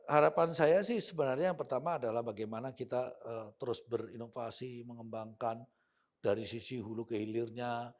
harapan saya sih sebenarnya yang pertama adalah bagaimana kita terus berinovasi mengembangkan dari sisi hulu ke hilirnya